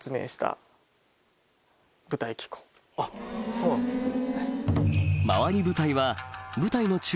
そうなんですね。